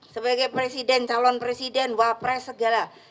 sebagai presiden calon presiden wapres segala